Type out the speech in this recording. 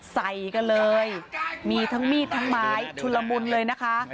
ใส่กันเลยมีทั้งมีดทั้งไม้ชุนละมุนเลยนะคะ